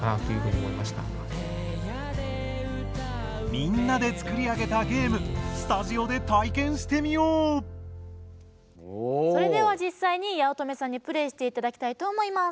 みんなで作り上げたゲームスタジオで体験してみようそれでは実際に八乙女さんにプレイして頂きたいと思います。